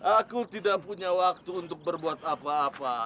aku tidak punya waktu untuk berbuat apa apa